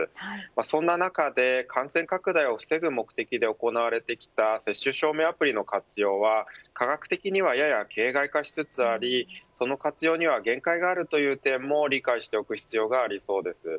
そんな中で感染拡大を防ぐ目的で行われてきた接種証明アプリの活用は科学的にはやや形がい化しつつありこの活用には限界があるという点も理解しておく必要がありそうです。